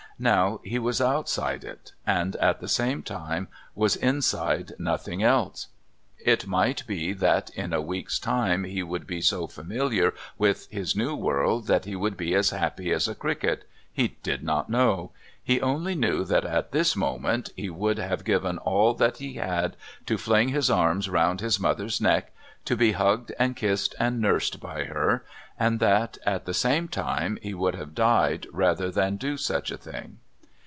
Now he was outside it and, at the same time, was inside nothing else. It might be that in a week's time he would be so familiar with his new world that he would be as happy as a cricket he did not know. He only knew that at this moment he would have given all that he had to fling his arms round his mother's neck, to be hugged and kissed and nursed by her, and that, at the same time, he would have died rather than do such a thing.